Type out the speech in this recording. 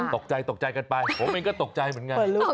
ตกใจตกใจกันไปผมเองก็ตกใจเหมือนกัน